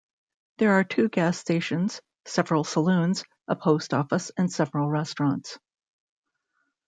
There are two gas stations, several saloons, a post office, and several restaurants.